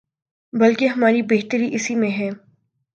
بلکہ ہماری اپنی بہتری اسی میں ہے۔